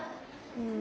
うん。